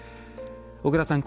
小倉さん